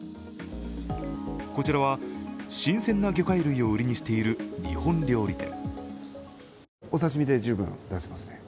こちらは新鮮な魚介類を売りにしている日本料理店。